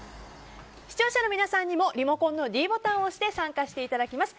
視聴者の皆さんにもリモコンのｄボタンを押して参加していただきます。